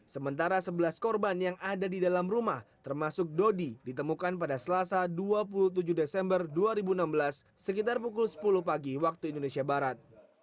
sementara sebelas korban yang ada di dalam rumah termasuk dodi ditemukan pada selasa dua puluh tujuh desember dua ribu enam belas sekitar pukul sepuluh pagi waktu indonesia barat